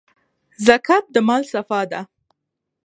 زکات د مال صفا ده.